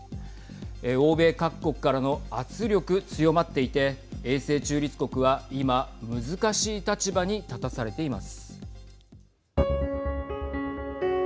欧米各国からの圧力強まっていて永世中立国は今難しい立場に立たされています。